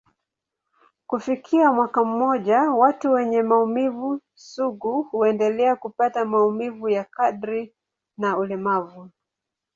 Kufikia mwaka mmoja, watu wenye maumivu sugu huendelea kupata maumivu ya kadri na ulemavu.